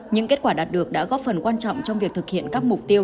những kết quả đạt được đã góp phần quan trọng trong việc thực hiện các mục tiêu